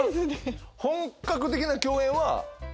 本格的な共演は。